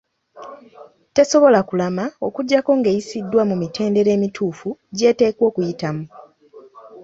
Tesobola kulama okuggyako ng'eyisiddwa mu mitendera emituufu gy’eteekwa okuyitamu.